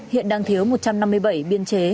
hiện đang thiếu một trăm năm mươi bảy biên chế